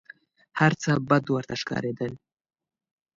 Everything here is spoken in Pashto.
هر څه بد ورته ښکارېدل .